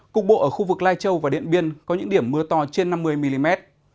cục bộ ở khu vực lai châu và điện biên có những điểm mưa to trên năm mươi mm